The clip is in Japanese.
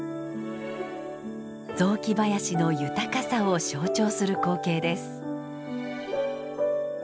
雑木林の豊かさを象徴する光景です。